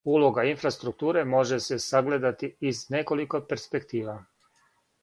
Улога инфраструктуре може се сагледати из неколико перспектива.